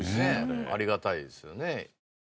ありがたいですよね。